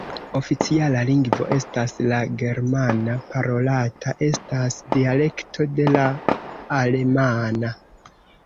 Oficiala lingvo estas la germana, parolata estas dialekto de la alemana.